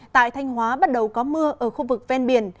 tại thanh hóa bắt đầu có mưa ở khu vực ven biển